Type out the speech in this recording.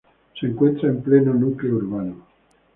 Se encuentra en pleno núcleo urbano.